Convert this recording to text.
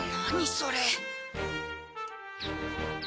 それ。